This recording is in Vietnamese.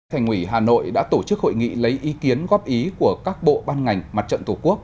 thành ủy hà nội đã tổ chức hội nghị lấy ý kiến góp ý của các bộ ban ngành mặt trận tổ quốc